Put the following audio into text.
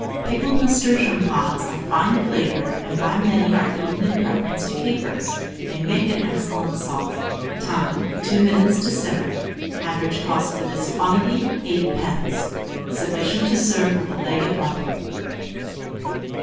Pickled nasturtium pods are fine flavoured, and by many are eaten in preference to capers. They make an excellent sauce. Time. 2 minutes to simmer. Average cost for this quantity, 8d. Sufficient to serve with a leg of mutton.